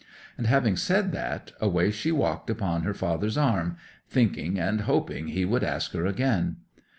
And having said that, away she walked upon her father's arm, thinking and hoping he would ask her again.